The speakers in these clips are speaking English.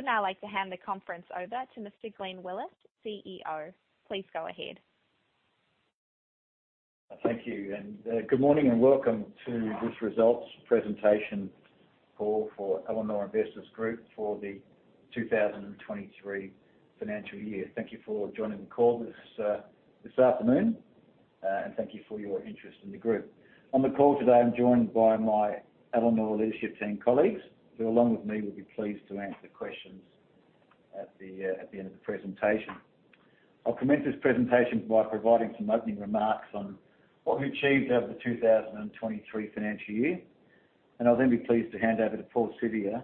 I would now like to hand the conference over to Mr. Glenn Willis, CEO. Please go ahead. Thank you, good morning, and welcome to this results presentation call for Elanor Investors Group for the 2023 financial year. Thank you for joining the call this afternoon, and thank you for your interest in the group. On the call today, I'm joined by my Elanor leadership team colleagues, who, along with me, will be pleased to answer questions at the end of the presentation. I'll commence this presentation by providing some opening remarks on what we achieved over the 2023 financial year, I'll then be pleased to hand over to Paul Siviour,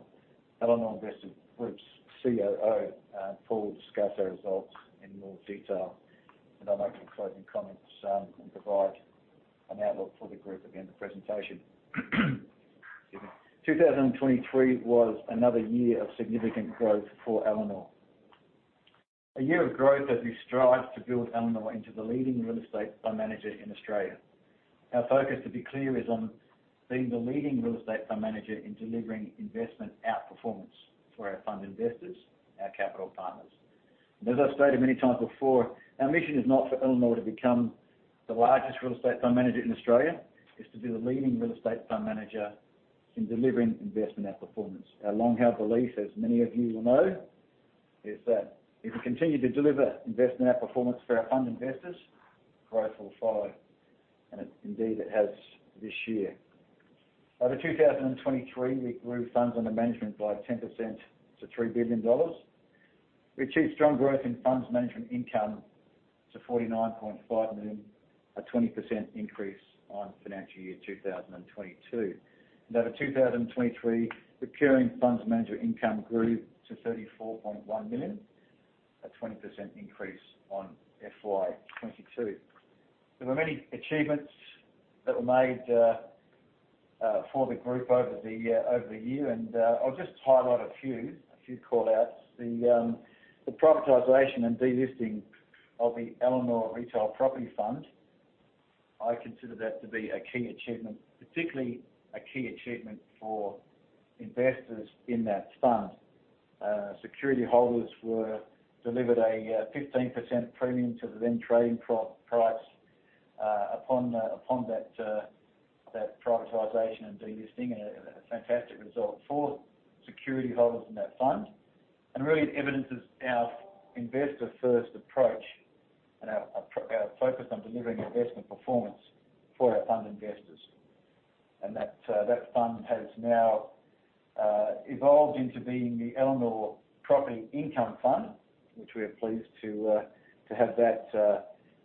Elanor Investors Group's COO. Paul will discuss our results in more detail, I'll make some closing comments, and provide an outlook for the group at the end of the presentation. Excuse me. 2023 was another year of significant growth for Elanor. A year of growth as we strive to build Elanor into the leading real estate fund manager in Australia. Our focus, to be clear, is on being the leading real estate fund manager in delivering investment outperformance for our fund investors, our capital partners. As I've stated many times before, our mission is not for Elanor to become the largest real estate fund manager in Australia. It's to be the leading real estate fund manager in delivering investment outperformance. Our long-held belief, as many of you will know, is that if we continue to deliver investment outperformance for our fund investors, growth will follow, and indeed, it has this year. Over 2023, we grew funds under management by 10% to 3 billion dollars. We achieved strong growth in funds management income to 49.5 million, a 20% increase on financial year 2022. Over 2023, the recurring funds management income grew to 34.1 million, a 20% increase on FY22. There were many achievements that were made for the group over the year, and I'll just highlight a few, a few call-outs. The privatization and delisting of the Elanor Retail Property Fund, I consider that to be a key achievement, particularly a key achievement for investors in that fund. Security holders were delivered a 15% premium to the then trading price upon that privatization and delisting, and a fantastic result for security holders in that fund. Really, it evidences our investor-first approach and our focus on delivering investment performance for our fund investors. That fund has now evolved into being the Elanor Property Income Fund, which we are pleased to have that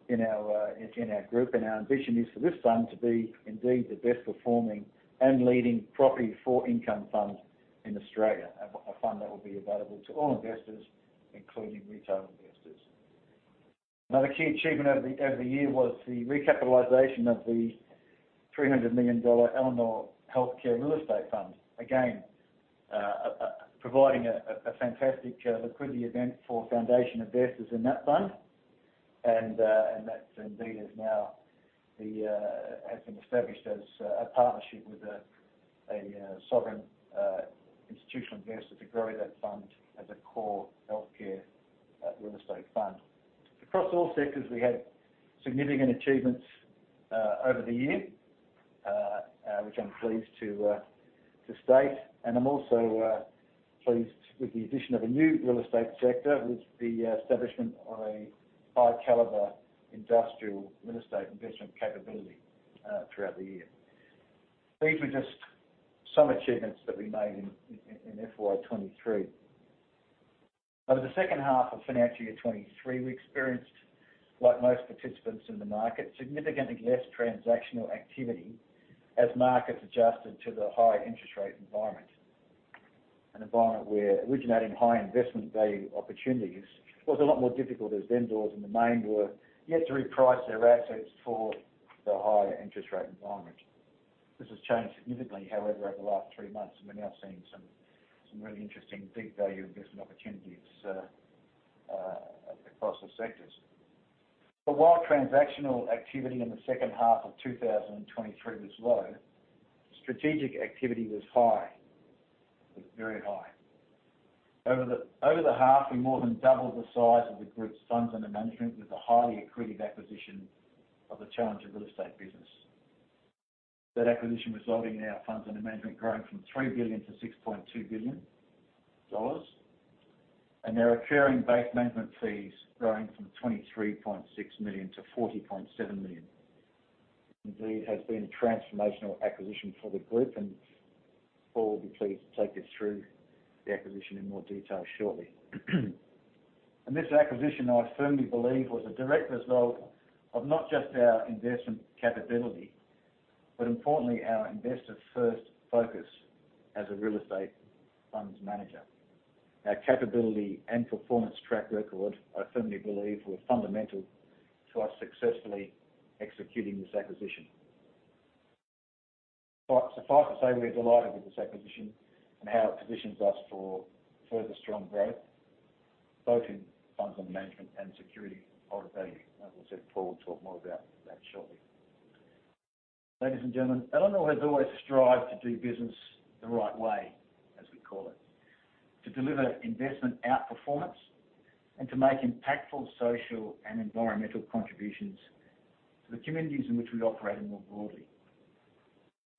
in our group. Our ambition is for this fund to be indeed the best performing and leading property for income funds in Australia, a fund that will be available to all investors, including retail investors. Another key achievement over the year was the recapitalization of the 300 million dollar Elanor Healthcare Real Estate Fund. Again, providing a fantastic liquidity event for foundation investors in that fund, and that indeed is now the has been established as a partnership with a sovereign institutional investor to grow that fund as a core healthcare real estate fund. Across all sectors, we had significant achievements over the year, which I'm pleased to state, and I'm also pleased with the addition of a new real estate sector, with the establishment of a high-caliber industrial real estate investment capability throughout the year. These were just some achievements that we made in FY23. Over the second half of financial year 2023, we experienced, like most participants in the market, significantly less transactional activity as markets adjusted to the high interest rate environment. An environment where originating high investment value opportunities was a lot more difficult, as vendors in the main were yet to reprice their assets for the higher interest rate environment. This has changed significantly, however, over the last three months, and we're now seeing some, some really interesting deep value investment opportunities across the sectors. While transactional activity in the second half of 2023 was low, strategic activity was high, was very high. Over the, over the half, we more than doubled the size of the group's funds under management, with the highly accretive acquisition of the Challenger Real Estate business. That acquisition resulting in our funds under management, growing from 3 billion to 6.2 billion dollars, and our occurring bank management fees growing from 23.6 million to 40.7 million. Indeed, it has been a transformational acquisition for the group, Paul Siviour will be pleased to take us through the acquisition in more detail shortly. This acquisition, I firmly believe, was a direct result of not just our investment capability, but importantly, our investor-first focus as a real estate funds manager. Our capability and performance track record, I firmly believe, were fundamental to us successfully executing this acquisition. Suffice to say, we are delighted with this acquisition and how it positions us for further strong growth, both in funds under management and security holder value. As I said, Paul Siviour will talk more about that shortly. Ladies and gentlemen, Elanor has always strived to do business the right way, as we call it, to deliver investment outperformance and to make impactful social and environmental contributions to the communities in which we operate and more broadly.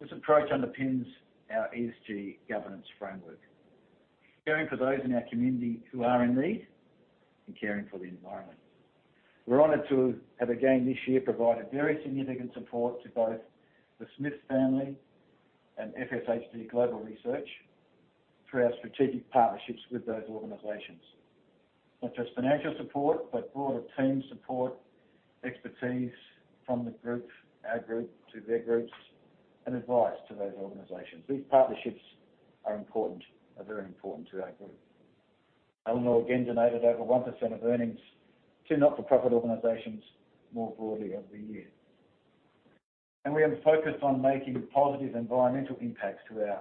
This approach underpins our ESG governance framework, caring for those in our community who are in need and caring for the environment. We're honored to have again this year, provided very significant support to both The Smith Family and FSHD Global Research through our strategic partnerships with those organizations. Not just financial support, but broader team support, expertise from the group, our group to their groups, and advice to those organizations. These partnerships are important, are very important to our group. Elanor again donated over 1% of earnings to not-for-profit organizations more broadly over the year. We are focused on making positive environmental impacts to our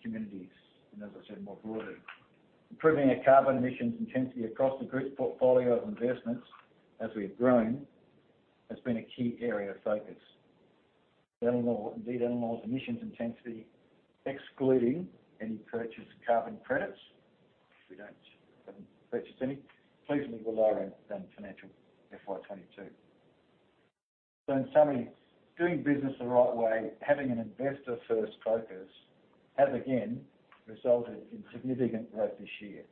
communities, and as I said, more broadly. Improving our carbon emissions intensity across the group's portfolio of investments as we've grown, has been a key area of focus. Elanor, indeed, Elanor's emissions intensity, excluding any purchased carbon credits, we don't, haven't purchased any, pleasingly lower than financial FY22. In summary, doing business the right way, having an investor-first focus, has again resulted in significant growth this year,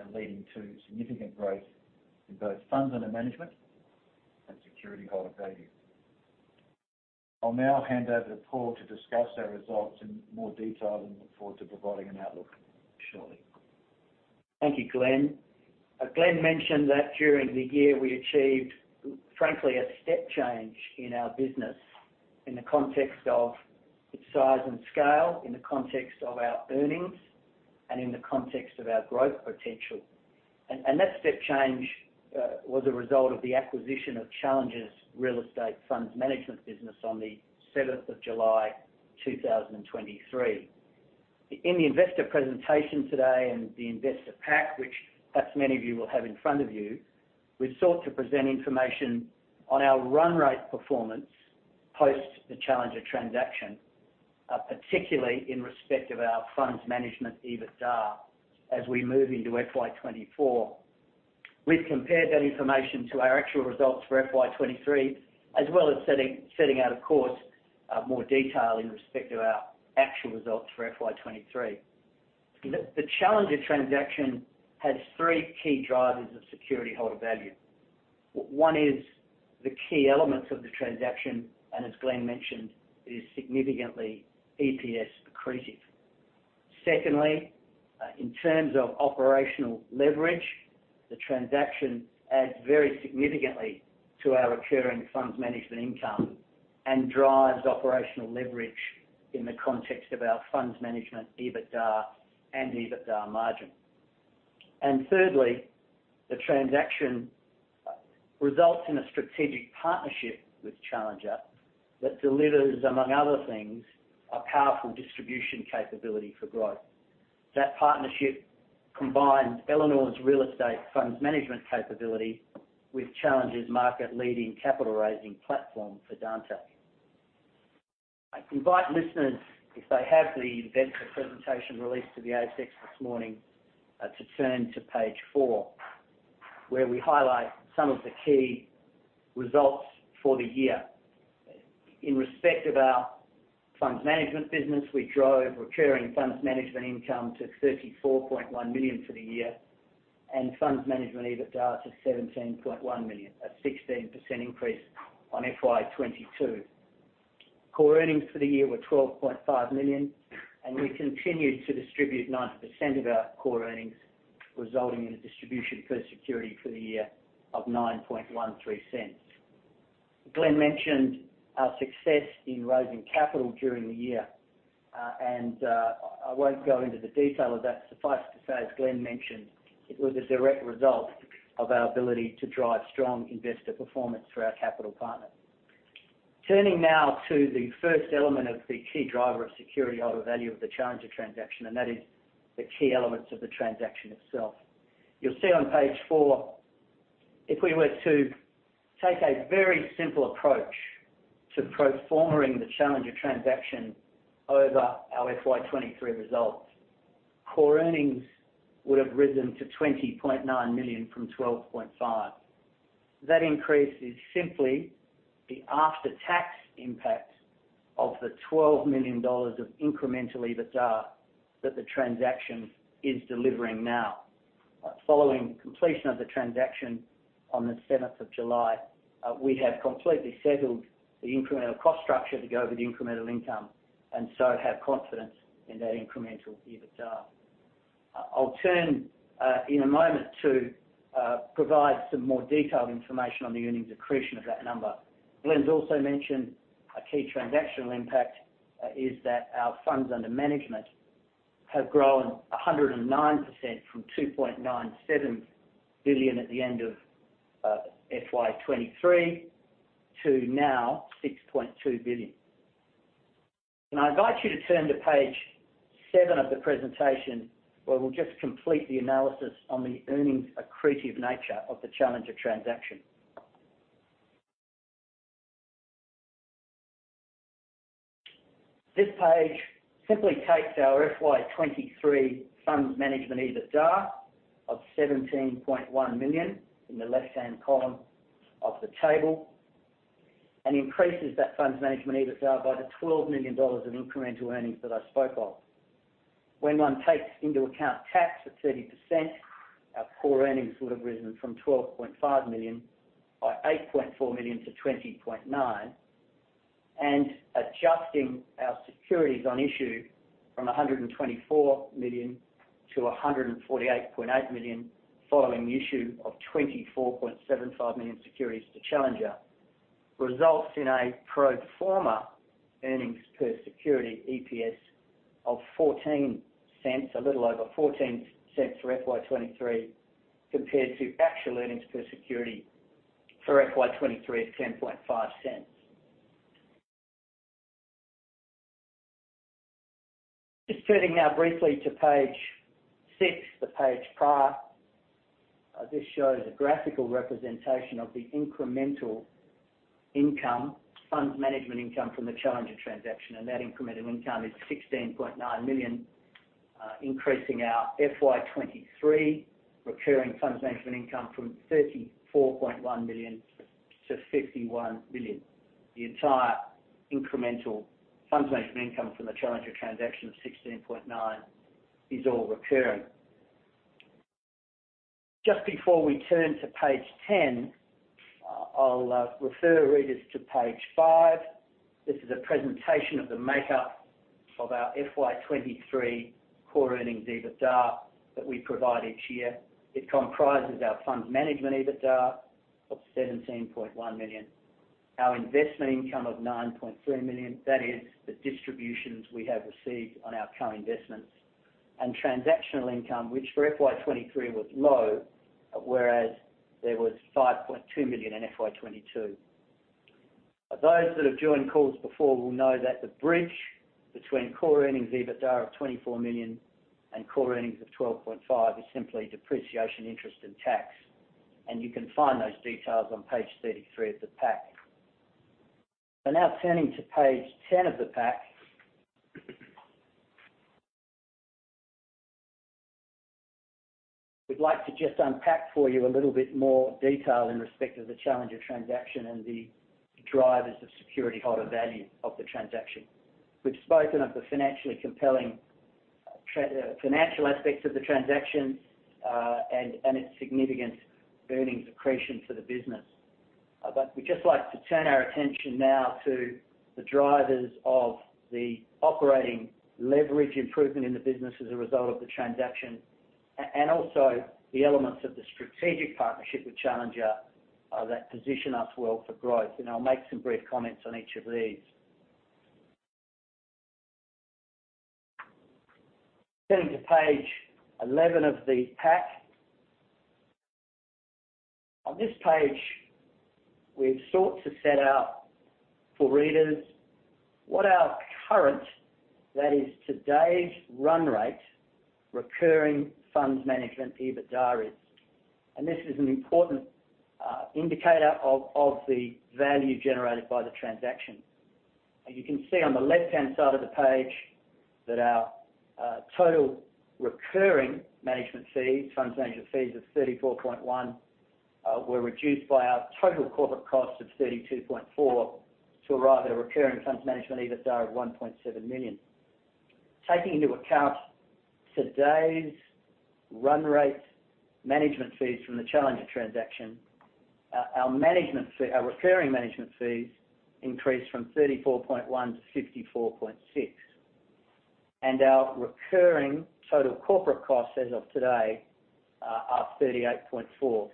and leading to significant growth in both funds under management and security holder value. I'll now hand over to Paul to discuss our results in more detail, and look forward to providing an outlook shortly. Thank you, Glenn. As Glenn mentioned that during the year we achieved, frankly, a step change in our business in the context of its size and scale, in the context of our earnings, and in the context of our growth potential. That step change was a result of the acquisition of Challenger's Real Estate Funds Management business on the seventh of July, 2023. In the investor presentation today and the investor pack, which perhaps many of you will have in front of you, we've sought to present information on our run rate performance post the Challenger transaction, particularly in respect of our funds management EBITDA as we move into FY24. We've compared that information to our actual results for FY23, as well as setting out, of course, more detail in respect to our actual results for FY23. The Challenger transaction has three key drivers of security holder value. O- one is the key elements of the transaction, and as Glenn mentioned, it is significantly EPS accretive. Secondly, in terms of operational leverage, the transaction adds very significantly to our recurring funds management income and drives operational leverage in the context of our funds management, EBITDA and EBITDA margin. Thirdly, the transaction results in a strategic partnership with Challenger that delivers, among other things, a powerful distribution capability for growth. That partnership combines Elanor's real estate funds management capability with Challenger's market-leading capital raising platform for Fidante. I invite listeners, if they have the investor presentation released to the ASX this morning, to turn to page 4, where we highlight some of the key results for the year. In respect of our funds management business, we drove recurring funds management income to 34.1 million for the year, and funds management EBITDA to 17.1 million, a 16% increase on FY22. Core earnings for the year were 12.5 million. We continued to distribute 90% of our core earnings, resulting in a distribution per security for the year of 0.0913. Glenn mentioned our success in raising capital during the year, and I won't go into the detail of that. Suffice to say, as Glenn mentioned, it was a direct result of our ability to drive strong investor performance through our capital partners. Turning now to the first element of the key driver of security holder value of the Challenger transaction. That is the key elements of the transaction itself. You'll see on page four, if we were to take a very simple approach to pro-formaring the Challenger transaction over our FY23 results, core earnings would have risen to 20.9 million from 12.5 million. That increase is simply the after-tax impact of the 12 million dollars of incremental EBITDA that the transaction is delivering now. Following completion of the transaction on the seventh of July, we have completely settled the incremental cost structure to go with the incremental income, have confidence in that incremental EBITDA. I'll turn in a moment to provide some more detailed information on the earnings accretion of that number. Glenn's also mentioned a key transactional impact, is that our funds under management have grown 109% from 2.97 billion at the end of FY23, to now 6.2 billion. I invite you to turn to page 7 of the presentation, where we'll just complete the analysis on the earnings accretive nature of the Challenger transaction. This page simply takes our FY23 funds management EBITDA of 17.1 million in the left-hand column of the table and increases that funds management EBITDA by the 12 million dollars of incremental earnings that I spoke of. When one takes into account tax of 30%, our core earnings would have risen from 12.5 million by 8.4 million-20.9 million. Adjusting our securities on issue from 124 million-148.8 million, following the issue of 24.75 million securities to Challenger, results in a pro forma earnings per security, EPS of 0.14, a little over 0.14 for FY23, compared to actual earnings per security for FY23 of AUD 0.105. Just turning now briefly to page six, the page prior. This shows a graphical representation of the incremental income, funds management income from the Challenger transaction, and that incremental income is 16.9 million, increasing our FY23 recurring funds management income from 34.1 million to 51 million. The entire incremental funds management income from the Challenger transaction of 16.9 is all recurring. Just before we turn to page 10, I'll refer readers to page five. This is a presentation of the makeup of our FY23 core earnings EBITDA that we provide each year. It comprises our funds management EBITDA of 17.1 million, our investment income of 9.3 million, that is the distributions we have received on our co-investments, and transactional income, which for FY23 was low, whereas there was 5.2 million in FY22. Those that have joined calls before will know that the bridge between core earnings EBITDA of 24 million and core earnings of 12.5 million, is simply depreciation, interest and tax. You can find those details on page 33 of the pack. Now turning to page 10 of the pack. We'd like to just unpack for you a little bit more detail in respect of the Challenger transaction and the drivers of security holder value of the transaction. We've spoken of the financially compelling financial aspects of the transaction and its significant earnings accretion for the business. But we'd just like to turn our attention now to the drivers of the operating leverage improvement in the business as a result of the transaction and also the elements of the strategic partnership with Challenger that position us well for growth. I'll make some brief comments on each of these. Turning to page 11 of the pack. On this page, we've sought to set out for readers what our current, that is, today's run rate, recurring funds management EBITDA is. This is an important indicator of the value generated by the transaction. You can see on the left-hand side of the page that our total recurring management fees, funds management fees of 34.1 million, were reduced by our total corporate cost of 32.4 million, to arrive at a recurring funds management EBITDA of 1.7 million. Taking into account today's run rate management fees from the Challenger transaction, our management fee, our recurring management fees increased from 34.1 million-54.6 million. Our recurring total corporate costs as of today, are 38.4.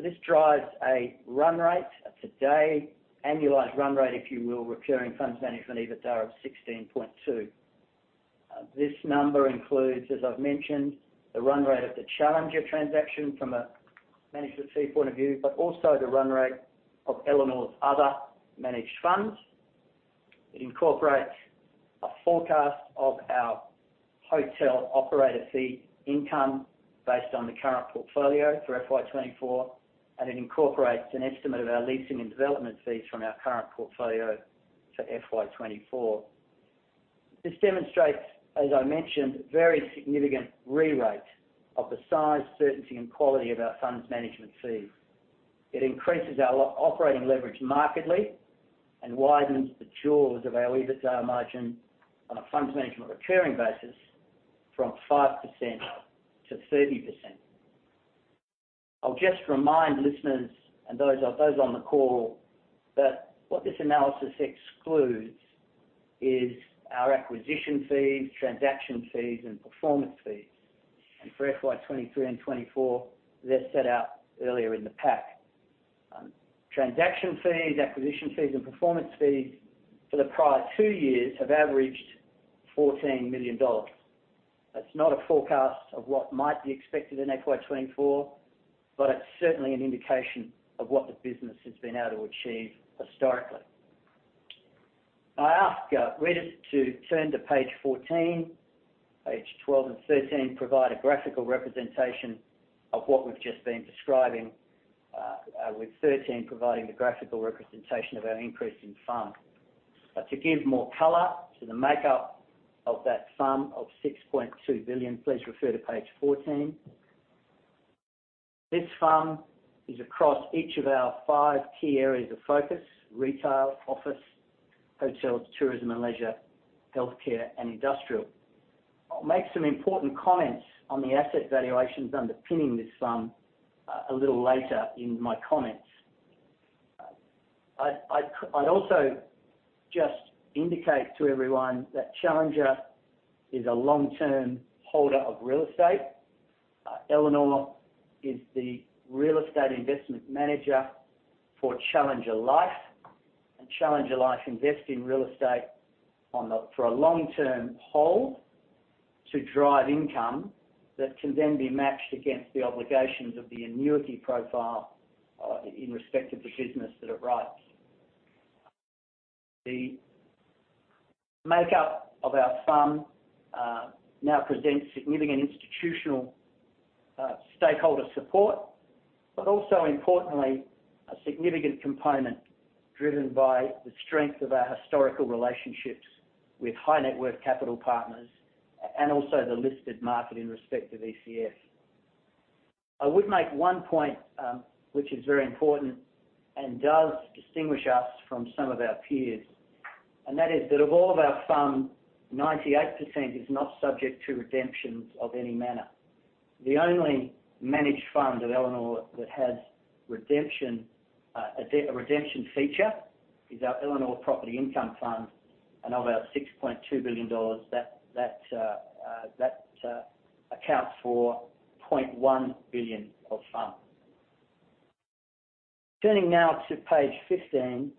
This drives a run rate of today, annualized run rate, if you will, recurring funds management EBITDA of 16.2. This number includes, as I've mentioned, the run rate of the Challenger transaction from a management fee point of view, but also the run rate of Elanor's other managed funds. It incorporates a forecast of our hotel operator fee income based on the current portfolio for FY24, and it incorporates an estimate of our leasing and development fees from our current portfolio to FY24. This demonstrates, as I mentioned, very significant rerate of the size, certainty and quality of our funds management fees. It increases our operating leverage markedly and widens the jaws of our EBITDA margin on a funds management recurring basis from 5%-30%. I'll just remind listeners and those, those on the call that what this analysis excludes is our acquisition fees, transaction fees and performance fees. For FY23 and FY24, they're set out earlier in the pack. Transaction fees, acquisition fees and performance fees for the prior 2 years have averaged $14 million. It's not a forecast of what might be expected in FY24, it's certainly an indication of what the business has been able to achieve historically. I ask readers to turn to page 14. Page 12 and 13 provide a graphical representation of what we've just been describing, with 13 providing the graphical representation of our increase in FUM. To give more color to the makeup of that FUM of $6.2 billion, please refer to page 14. This FUM is across each of our five key areas of focus: retail, office, hotels, tourism and leisure, healthcare, and industrial. I'll make some important comments on the asset valuations underpinning this FUM a little later in my comments. I, I, I'd also just indicate to everyone that Challenger is a long-term holder of real estate. Elanor is the real estate investment manager for Challenger Life, and Challenger Life invests in real estate on the-- for a long-term hold to drive income, that can then be matched against the obligations of the annuity profile, in respect of the business that it writes. The makeup of our FUM now presents significant institutional stakeholder support, but also importantly, a significant component driven by the strength of our historical relationships with high-net-worth capital partners and also the listed market in respect of ECF. I would make one point, which is very important and does distinguish us from some of our peers, and that is that of all of our FUM, 98% is not subject to redemptions of any manner. The only managed fund of Elanor that has redemption, a redemption feature is our Elanor Property Income Fund, and of our 6.2 billion dollars, accounts for 0.1 billion of FUM. Turning now to page 15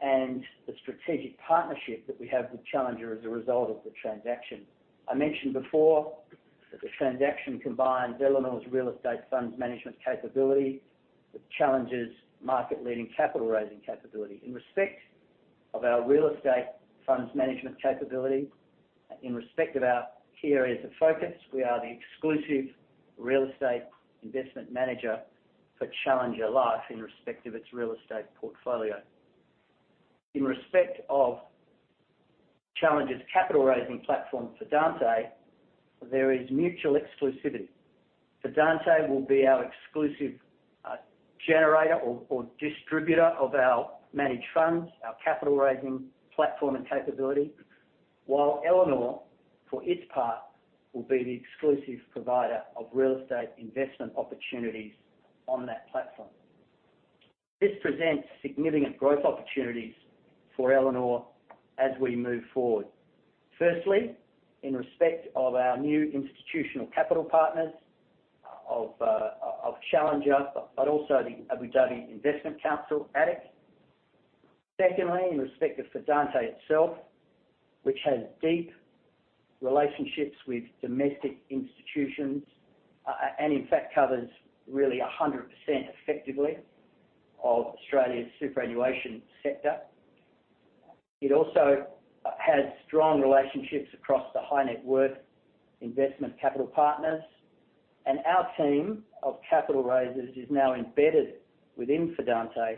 and the strategic partnership that we have with Challenger as a result of the transaction. I mentioned before that the transaction combines Elanor's real estate funds management capability with Challenger's market-leading capital raising capability. In respect of our real estate funds management capability, in respect of our key areas of focus, we are the exclusive real estate investment manager for Challenger Life in respect of its real estate portfolio. In respect of Challenger's capital raising platform, Fidante, there is mutual exclusivity. Fidante will be our exclusive generator or, or distributor of our managed funds, our capital raising platform and capability, while Elanor, for its part, will be the exclusive provider of real estate investment opportunities on that platform. This presents significant growth opportunities for Elanor as we move forward. Firstly, in respect of our new institutional capital partners of Challenger, but also the Abu Dhabi Investment Council, ADIC. Secondly, in respect of Fidante itself, which has deep relationships with domestic institutions, and in fact, covers really 100% effectively of Australia's superannuation sector. It also has strong relationships across the high-net-worth investment capital partners, and our team of capital raisers is now embedded within Fidante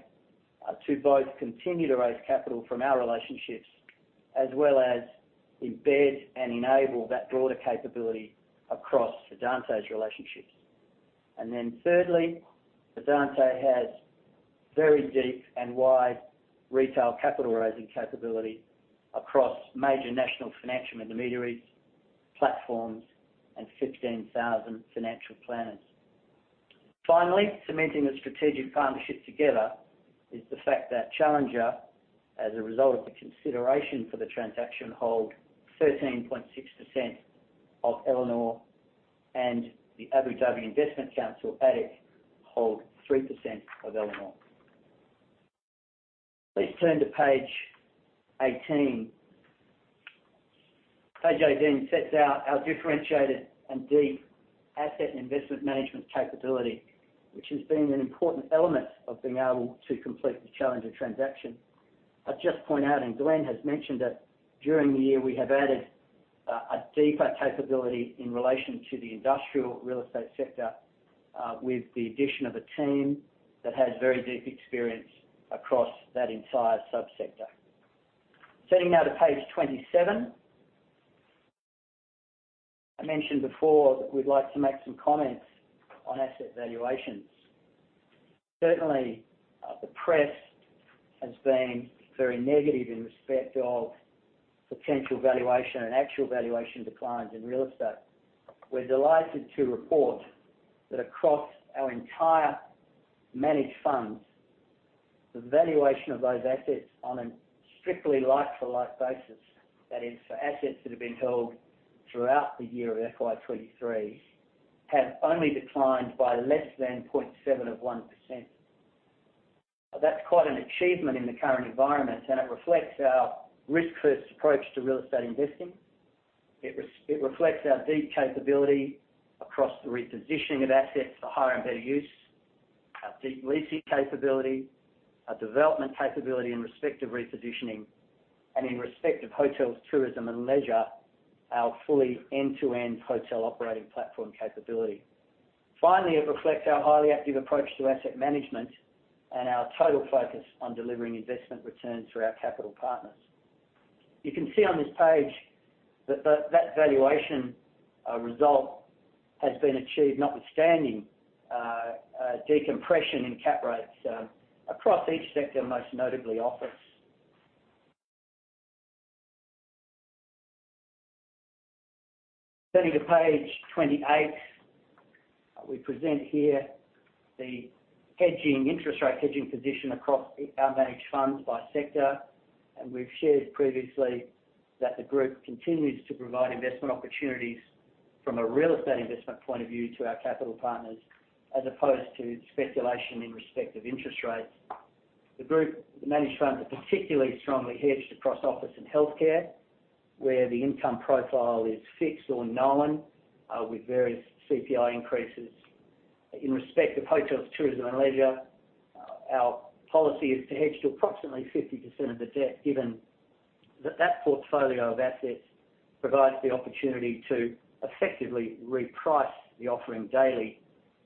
to both continue to raise capital from our relationships, as well as embed and enable that broader capability across Fidante's relationships. Thirdly, Fidante has very deep and wide retail capital raising capability across major national financial intermediaries, platforms, and 15,000 financial planners. Finally, cementing the strategic partnership together is the fact that Challenger, as a result of the consideration for the transaction, hold 13.6% of Elanor and the Abu Dhabi Investment Council, ADIC, hold 3% of Elanor. Please turn to page 18. Page 18 sets out our differentiated and deep asset and investment management capability, which has been an important element of being able to complete the Challenger transaction. I'd just point out, and Glenn has mentioned it, during the year, we have added a deeper capability in relation to the industrial real estate sector, with the addition of a team that has very deep experience across that entire subsector. Turning now to page 27. I mentioned before that we'd like to make some comments on asset valuations. Certainly, the press has been very negative in respect of potential valuation and actual valuation declines in real estate. We're delighted to report that across our entire managed funds, the valuation of those assets on a strictly like-for-like basis, that is, for assets that have been held throughout the year of FY23, have only declined by less than 0.7%. That's quite an achievement in the current environment, and it reflects our risk-first approach to real estate investing. It res- it reflects our deep capability across the repositioning of assets for higher and better use, our deep leasing capability, our development capability in respect of repositioning, and in respect of hotels, tourism, and leisure, our fully end-to-end hotel operating platform capability. Finally, it reflects our highly active approach to asset management and our total focus on delivering investment returns for our capital partners. You can see on this page that, that valuation, result has been achieved, notwithstanding, a decompression in cap rates, across each sector, most notably office. Turning to page 28, we present here the hedging, interest rate hedging position across our managed funds by sector. We've shared previously that the group continues to provide investment opportunities from a real estate investment point of view to our capital partners, as opposed to speculation in respect of interest rates. The group, the managed funds, are particularly strongly hedged across office and healthcare, where the income profile is fixed or known, with various CPI increases. In respect of hotels, tourism, and leisure, our policy is to hedge to approximately 50% of the debt, given that, that portfolio of assets provides the opportunity to effectively reprice the offering daily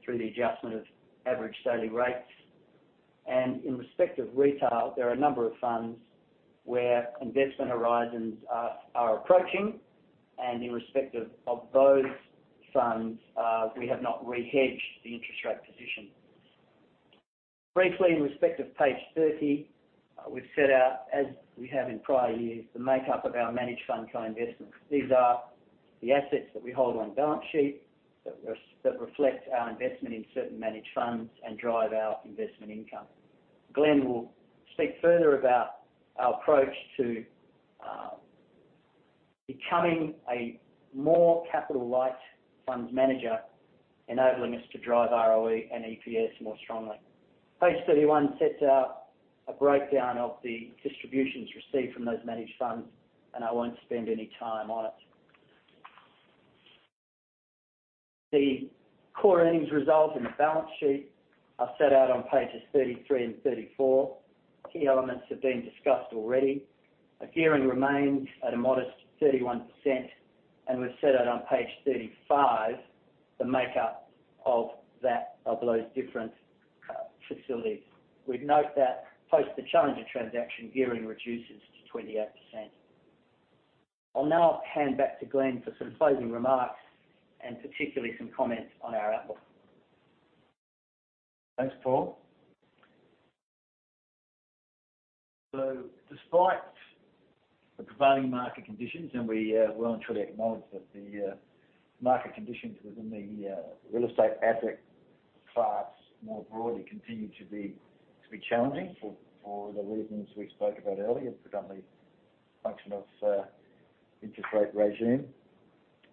through the adjustment of average daily rates. In respect of retail, there are a number of funds where investment horizons are approaching, and in respect of, of those funds, we have not re-hedged the interest rate position. Briefly, in respect of page 30, we've set out, as we have in prior years, the makeup of our managed fund co-investments. These are the assets that we hold on balance sheet, that reflect our investment in certain managed funds and drive our investment income. Glenn will speak further about our approach to becoming a more capital-light funds manager, enabling us to drive ROE and EPS more strongly. Page 31 sets out a breakdown of the distributions received from those managed funds. I won't spend any time on it. The core earnings results and the balance sheet are set out on pages 33 and 34. Key elements have been discussed already. Our gearing remains at a modest 31%. We've set out on page 35, the makeup of that, of those different facilities. We'd note that post the Challenger transaction, gearing reduces to 28%. I'll now hand back to Glenn for some closing remarks and particularly some comments on our outlook. Thanks, Paul. Despite the prevailing market conditions, and we well and truly acknowledge that the market conditions within the real estate asset class more broadly continue to be, to be challenging for, for the reasons we spoke about earlier, predominantly a function of interest rate regime.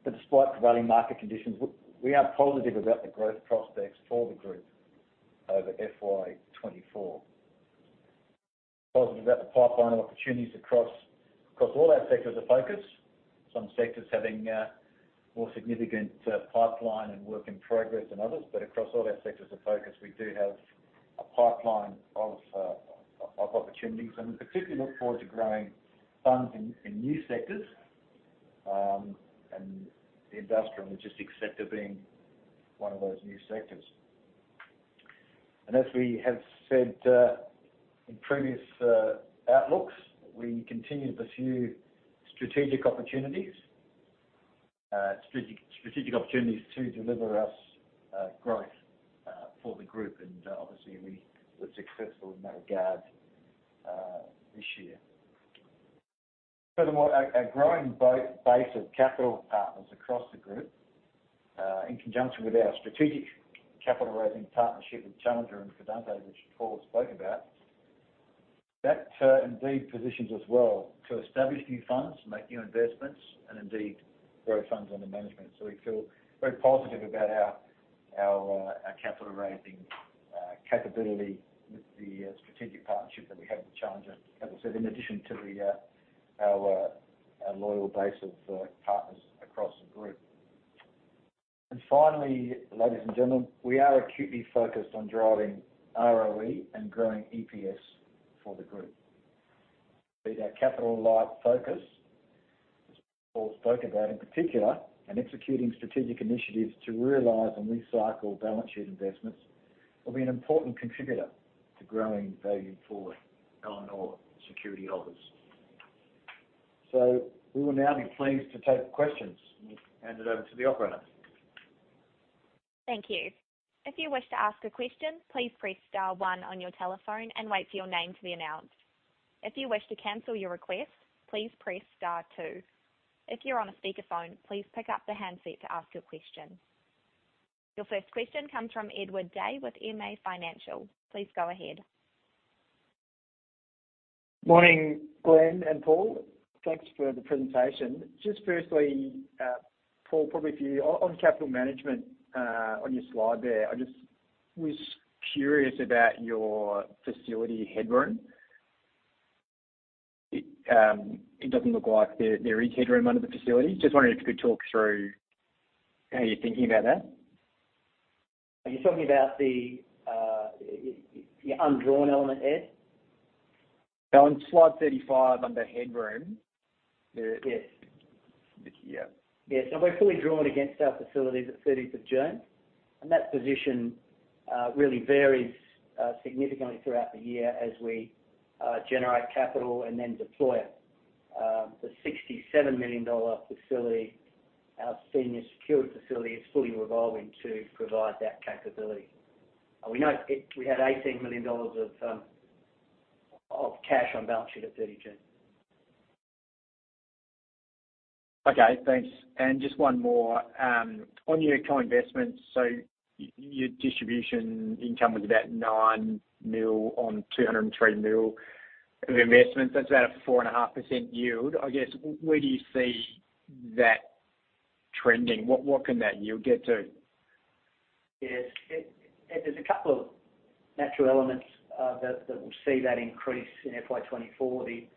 Despite prevailing market conditions, we are positive about the growth prospects for the group over FY24. Positive about the pipeline of opportunities across, across all our sectors of focus, some sectors having more significant pipeline and work in progress than others. Across all our sectors of focus, we do have a pipeline of of opportunities, and we particularly look forward to growing funds in in new sectors, and the industrial and logistics sector being one of those new sectors. As we have said, in previous outlooks, we continue to pursue strategic opportunities, strategic opportunities to deliver us growth for the group, and obviously, we were successful in that regard this year. Furthermore, a growing base of capital partners across the group in conjunction with our strategic capital raising partnership with Challenger and Fidante, which Paul spoke about, that indeed positions us well to establish new funds, make new investments, and indeed, grow funds under management. We feel very positive about our capital raising capability with the strategic partnership that we have with Challenger, as I said, in addition to the our loyal base of partners across the group. Finally, ladies and gentlemen, we are acutely focused on driving ROE and growing EPS for the group. Be that capital light focus, as Paul spoke about in particular, and executing strategic initiatives to realize and recycle balance sheet investments, will be an important contributor to growing value for ENN security holders. We will now be pleased to take questions. I'll hand it over to the operator. Thank you. If you wish to ask a question, please press star one on your telephone and wait for your name to be announced. If you wish to cancel your request, please press star two. If you're on a speakerphone, please pick up the handset to ask your question. Your first question comes from Edward Day with MA Financial. Please go ahead. Morning, Glenn and Paul. Thanks for the presentation. Just firstly, Paul, probably for you, on capital management, on your slide there, I just was curious about your facility headroom. It doesn't look like there is headroom under the facility. Just wondering if you could talk through how you're thinking about that? Are you talking about the undrawn element, Ed? On slide 35, under headroom. Yes. Yeah. Yes, and we're fully drawn against our facilities at 30th of June, and that position really varies significantly throughout the year as we generate capital and then deploy it. The 67 million dollar facility, our senior secured facility, is fully revolving to provide that capability. We know we had 18 million dollars of cash on balance sheet at 30 June. Okay, thanks. Just one more on your co-investments, so your distribution income was about 9 million on 203 million of investments. That's about a 4.5% yield. I guess, where do you see that trending? What can that yield get to? Yes. Ed, there's a couple of natural elements that will see that increase in FY24. The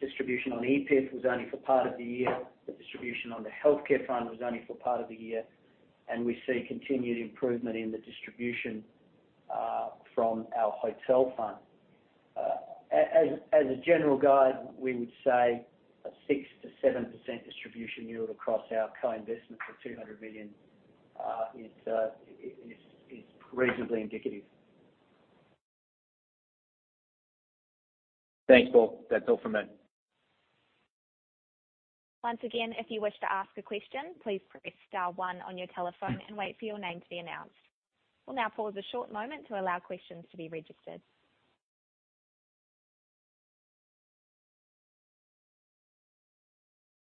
distribution on EPIF was only for part of the year. The distribution on the healthcare fund was only for part of the year, and we see continued improvement in the distribution from our hotel fund. As a general guide, we would say a 6%-7% distribution yield across our co-investments for 200 million is reasonably indicative. Thanks, Paul. That's all from me. Once again, if you wish to ask a question, please press star one on your telephone and wait for your name to be announced. We'll now pause a short moment to allow questions to be registered.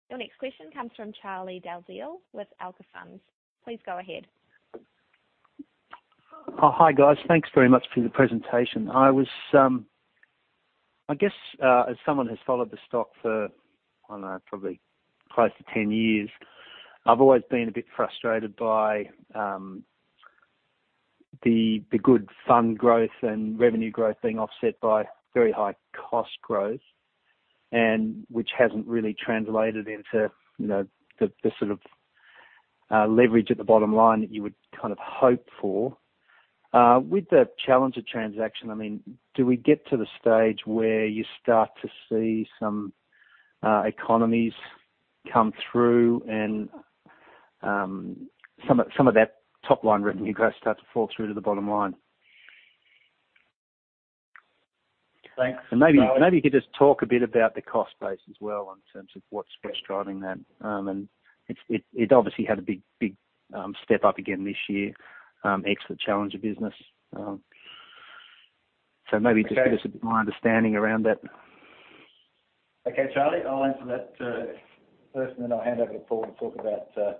Your next question comes from Charlie Dalziel with Alka Funds. Please go ahead. Oh, hi, guys. Thanks very much for the presentation. I was, I guess, as someone who's followed the stock for, I don't know, probably close to 10 years, I've always been a bit frustrated by the good fund growth and revenue growth being offset by very high cost growth, and which hasn't really translated into, you know, the sort of leverage at the bottom line that you would kind of hope for. With the Challenger transaction, I mean, do we get to the stage where you start to see some economies come through and some of that top-line revenue growth start to fall through to the bottom line? Thanks, Charlie. Maybe, maybe you could just talk a bit about the cost base as well in terms of what's driving that. It's, it, it obviously had a big, big step up again this year, ex the Challenger business. Maybe just give us a bit more understanding around that. Okay, Charlie, I'll answer that first, and then I'll hand over to Paul to talk about a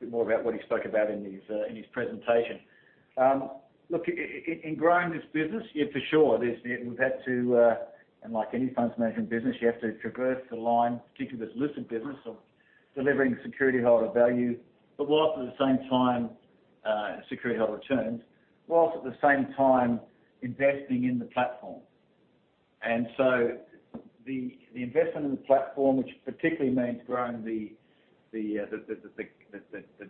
bit more about what he spoke about in his presentation. Look, in growing this business, yeah, for sure, we've had to, and like any funds management business, you have to traverse the line, particularly this listed business of delivering security holder value, but whilst at the same time, security holder returns, whilst at the same time investing in the platform. The investment in the platform, which particularly means growing the, the, the, the, the, the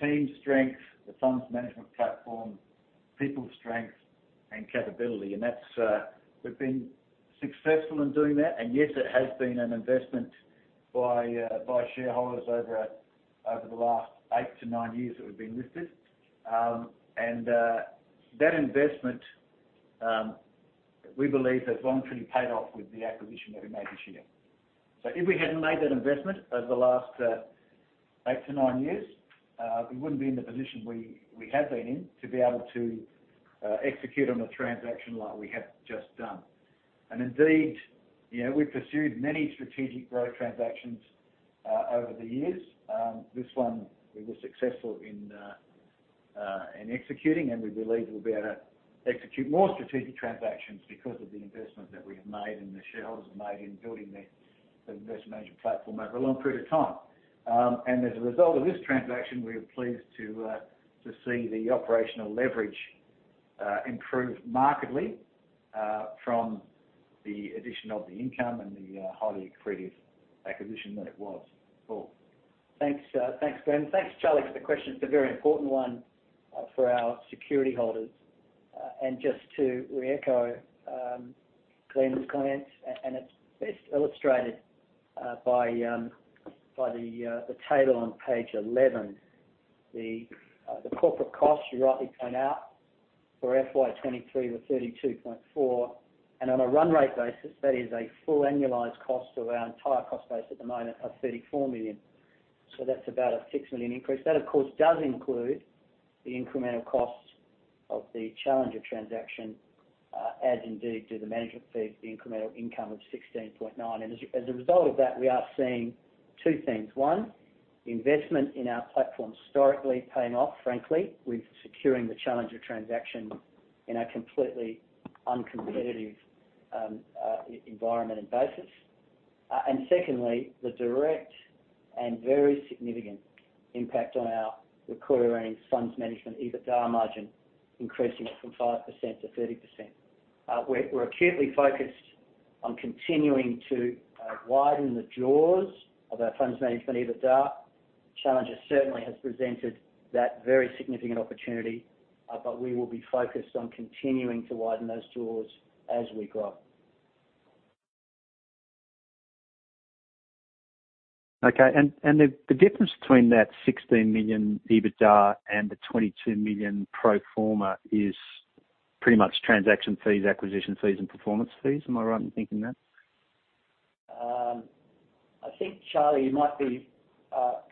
team's strength, the funds management platform, people strength and capability, and that's. We've been successful in doing that, and yes, it has been an investment by shareholders over the last 8 to 9 years that we've been listed. That investment, we believe has long-term paid off with the acquisition that we made this year. If we hadn't made that investment over the last eight to nine years, we wouldn't be in the position we, we have been in to be able to execute on a transaction like we have just done. Indeed, you know, we've pursued many strategic growth transactions over the years. This one, we were successful in executing, and we believe we'll be able to execute more strategic transactions because of the investment that we have made and the shareholders have made in building the, the investment management platform over a long period of time. As a result of this transaction, we are pleased to see the operational leverage improve markedly from the addition of the income and the highly accretive acquisition that it was. Paul? Thanks. Thanks, Glenn. Thanks, Charlie, for the question. It's a very important one for our security holders. Just to reecho Glenn's comments, it's best illustrated by the table on page 11. The corporate costs, you rightly point out, for FY23 were 32.4 million, on a run rate basis, that is a full annualized cost of our entire cost base at the moment of 34 million. That's about an 6 million increase. That, of course, does include the incremental costs of the Challenger transaction, as indeed do the management fees, the incremental income of 16.9 million. As a result of that, we are seeing two things. One: investment in our platform historically paying off frankly, with securing the Challenger transaction in a completely uncompetitive environment and basis. Secondly, the direct and very significant impact on our recurring funds management EBITDA margin, increasing it from 5%-30%. We're acutely focused on continuing to widen the jaws of our funds management EBITDA. Challenger certainly has presented that very significant opportunity, but we will be focused on continuing to widen those jaws as we grow. Okay. The difference between that 16 million EBITDA and the 22 million pro forma is pretty much transaction fees, acquisition fees, and performance fees. Am I right in thinking that? I think, Charlie, you might be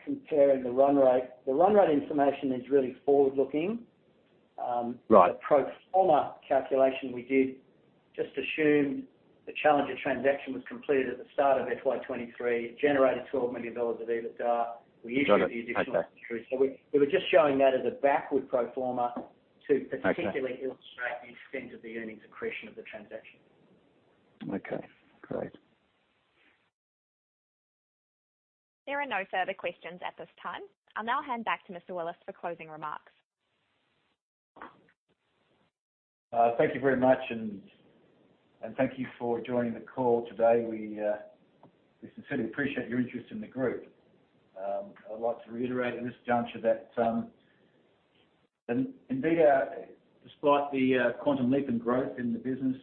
comparing the run rate. The run rate information is really forward-looking. Right. The pro forma calculation we did just assumed the Challenger transaction was completed at the start of FY23, it generated AUD 12 million of EBITDA. Got it. Okay. We issued the additional. We were just showing that as a backward pro forma. Okay... to particularly illustrate the extent of the earnings accretion of the transaction. Okay, great. There are no further questions at this time. I'll now hand back to Mr. Willis for closing remarks. Thank you very much, and thank you for joining the call today. We sincerely appreciate your interest in the group. I'd like to reiterate at this juncture that, indeed, despite the quantum leap in growth in the business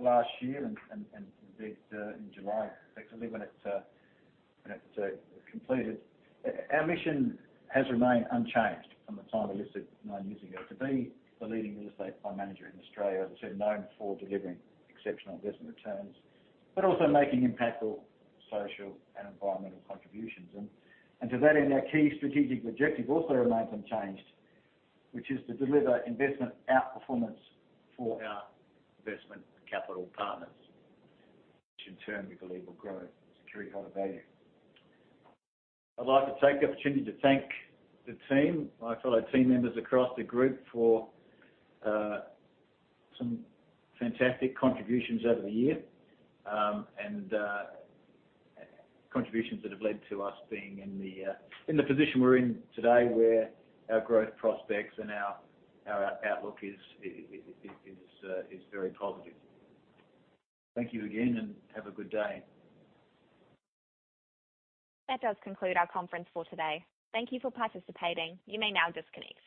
last year and indeed in July, actually, when it completed, our mission has remained unchanged from the time we listed nine years ago, to be the leading real estate fund manager in Australia, as I said, known for delivering exceptional investment returns, but also making impactful social and environmental contributions. To that end, our key strategic objective also remains unchanged, which is to deliver investment outperformance for our investment capital partners, which in turn we believe will grow security holder value. I'd like to take the opportunity to thank the team, my fellow team members across the group, for some fantastic contributions over the year, and contributions that have led to us being in the position we're in today, where our growth prospects and our outlook is very positive. Thank you again, and have a good day. That does conclude our conference for today. Thank Thank you for participating. You may now disconnect.